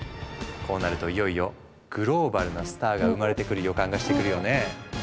こうなるといよいよグローバルなスターが生まれてくる予感がしてくるよね？